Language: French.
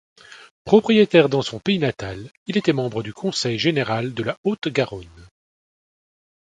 Propriétaire dans son pays natal, il était membre du conseil général de la Haute-Garonne.